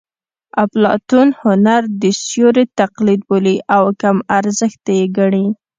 اپلاتون هنر د سیوري تقلید بولي او کم ارزښته یې ګڼي